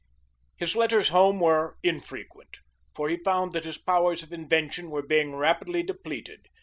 His letters home were infrequent, for he found that his powers of invention were being rapidly depleted.